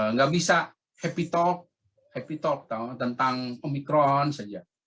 nggak bisa happy talk tentang omikron saja